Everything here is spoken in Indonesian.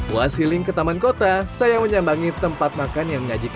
wasiling ke taman kota saya menyambangi tempat makan yang menyajikan